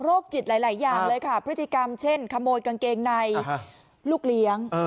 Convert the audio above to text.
จิตหลายอย่างเลยค่ะพฤติกรรมเช่นขโมยกางเกงในลูกเลี้ยง